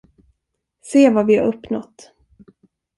Se vad vi har uppnåt.